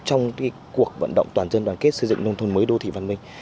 trong cuộc vận động toàn dân đoàn kết xây dựng nông thôn mới đô thị văn minh